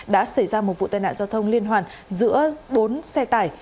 đã xảy ra một vụ tai nạn giao thông liên hoàn giữa bốn xe tải